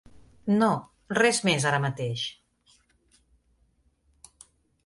No, res més ara mateix.